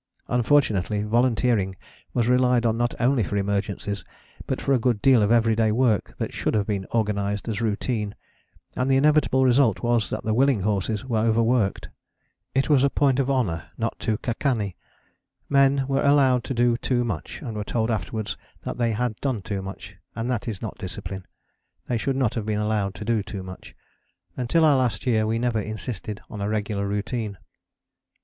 Unfortunately volunteering was relied on not only for emergencies, but for a good deal of everyday work that should have been organised as routine; and the inevitable result was that the willing horses were overworked. It was a point of honour not to ca' canny. Men were allowed to do too much, and were told afterwards that they had done too much; and that is not discipline. They should not have been allowed to do too much. Until our last year we never insisted on a regular routine.